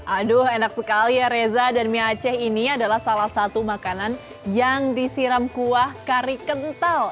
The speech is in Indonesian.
aduh enak sekali ya reza dan mie aceh ini adalah salah satu makanan yang disiram kuah kari kental